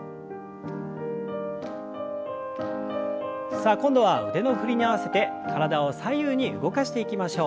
さあ今度は腕の振りに合わせて体を左右に動かしていきましょう。